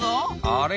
あれ？